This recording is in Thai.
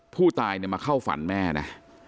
ผู้ตายเนี่ยมาเข้าฝันแม่นะ